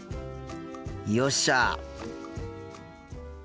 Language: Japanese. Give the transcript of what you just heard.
よっしゃ！